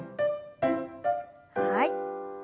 はい。